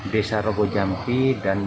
desa robo jampi dan